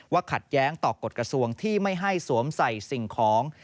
ขัดแย้งต่อกฎกระทรวงที่ไม่ให้สวมใส่สิ่งของ